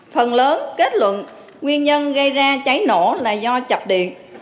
phần lớn kết luận nguyên nhân gây ra cháy nổ là do chập điện